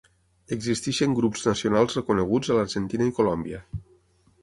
Existeixen grups nacionals reconeguts a l'Argentina i Colòmbia.